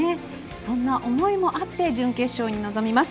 そんな思いもあって準決勝に臨みます。